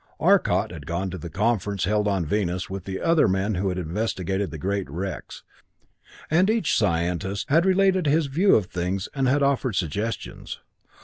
Arcot had gone to the conference held on Venus with the other men who had investigated the great wrecks, and each scientist had related his view of things and had offered suggestions.